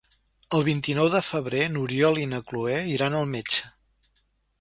El vint-i-nou de febrer n'Oriol i na Cloè iran al metge.